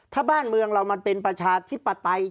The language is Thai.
ถ้าบ้านเมืองเรามันเป็นประชาธิปไตย